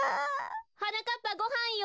・はなかっぱごはんよ！